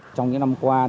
trong những năm qua